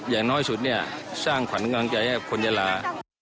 อย่างน้อยสุดเนี่ยสร้างขวัญกำลังใจให้คนยาลา